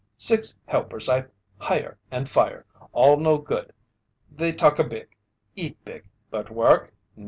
"Six helpers I hire and fire. All no good. They talka big, eat big but work?